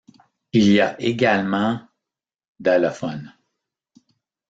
Il y a également d'allophones.